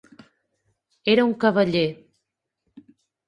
Era un cavaller.